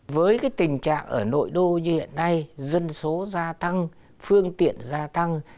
với cái tình trạng ở nội đô như hiện nay dân số gia tăng phương tiện gia tăng